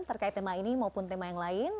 terkait tema ini maupun tema yang lain